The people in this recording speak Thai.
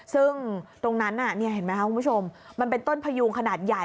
ซึ่งตรงนั้นเห็นไหมครับคุณผู้ชมมันเป็นต้นพยูงขนาดใหญ่